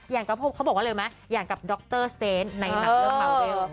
อย่างกับเขาบอกว่าเลยไหมอย่างกับด็อกเตอร์สเตนในหนังเรือพาเวล